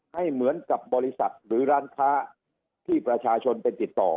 ให้เหมือนกับบริษัทหรือร้านค้าที่ประชาชนไปติดต่อ